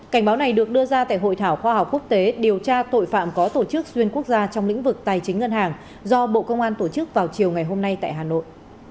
cảnh báo này được đưa ra tại hội thảo khoa học quốc tế điều tra tội phạm có tổ chức xuyên quốc gia trong lĩnh vực tài chính ngân hàng do bộ công an tổ chức vào chiều ngày hôm nay tại hà nội